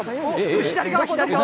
左側、左側。